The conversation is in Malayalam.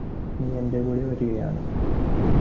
നീയെന്റെ കൂടെ വരികയാണ്